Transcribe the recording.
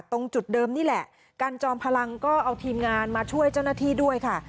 ตรงจุดเดิมนี่แหละกันจอมพลังก็เอาทีมงานมาช่วยเจ้าหน้าที่ด้วยค่ะ